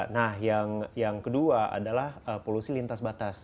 nah yang kedua adalah polusi lintas batas